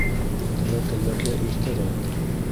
Тәүәкәлләргә иртәрәк.